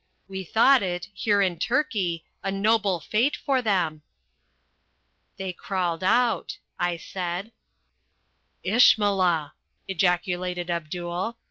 We thought it here in Turkey a noble fate for them." "They crawled out," I said. "Ishmillah!" ejaculated Abdul.